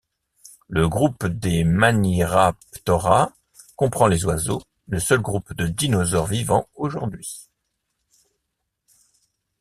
Le groupe des Maniraptora comprend les oiseaux, le seul groupe de dinosaures vivants aujourd'hui.